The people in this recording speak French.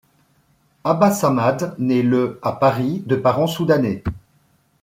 Abbas Hamad naît le à Paris de parents soudanais.